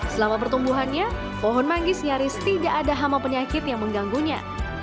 selama pertumbuhannya pohon manggis nyaris tidak ada hama penyakit yang mengganggunya